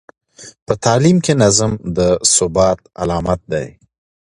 په تعلیم کې نظم د ثبات علامت دی.